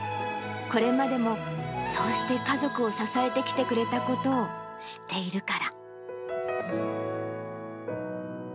これまでもそうして家族を支えてきてくれたことを、知っているから。